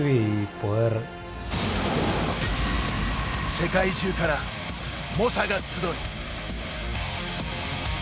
世界中から、猛者が集い。